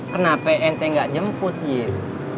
kenapa ente gak jemput yit